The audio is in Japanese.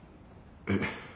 えっ。